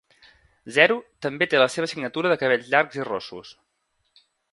Zero també té la seva signatura de cabells llargs i rossos.